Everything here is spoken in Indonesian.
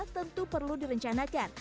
tentu perlu direncanakan